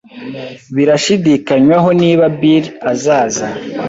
Birashidikanywaho niba Bill azaza.